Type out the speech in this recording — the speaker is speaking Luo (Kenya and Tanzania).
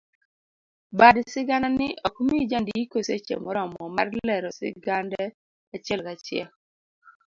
Bad sigana ni okmii jandiko seche moromo mar lero sigande achiel kachiel.